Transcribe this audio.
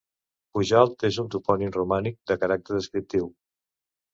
Pujalt és un topònim romànic de caràcter descriptiu.